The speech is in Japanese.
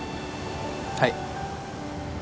はい。